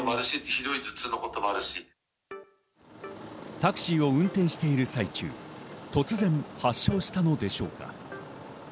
タクシーを運転してる最中、突然発症したのでしょうか。